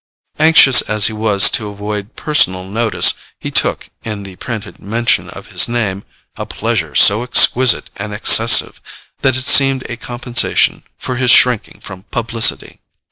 Anxious as he was to avoid personal notice, he took, in the printed mention of his name, a pleasure so exquisite and excessive that it seemed a compensation for his shrinking from publicity.